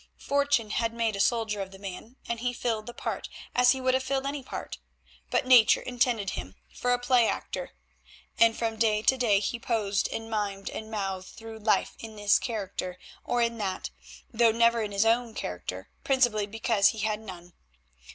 Fortune had made a soldier of the man, and he filled the part as he would have filled any part. But nature intended him for a play actor, and from day to day he posed and mimed and mouthed through life in this character or in that, though never in his own character, principally because he had none.